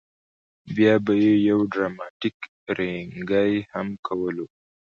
بیا به یې یو ډراماتیک رینګی هم کولو.